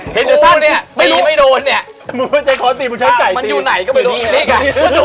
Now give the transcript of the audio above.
เฮดยุสันปีนไม่โดนเนี่ยเฮดยุสันมูไม่จำคอตตีมูใช้กะตีมูอยู่ไหนก็ไม่รู้ตื่นอยู่ไง